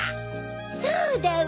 そうだわ！